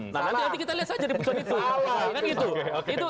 nah nanti kita lihat saja di putusan itu